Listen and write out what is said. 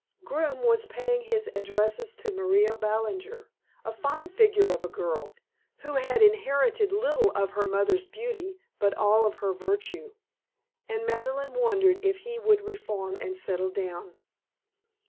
Groome was paying his addresses to Maria Ballinger, "a fine figure of a girl" who had inherited little of her mother's beauty but all of her virtue, and Madeleine wondered if he would reform and settle down.